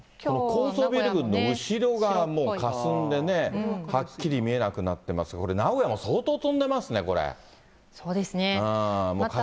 高層ビル群の後ろ側がもうかすんでね、はっきり見えなくなってますが、これ、名古屋も相当飛んでますね、これね。